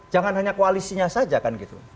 jangan hanya koalisinya saja kan gitu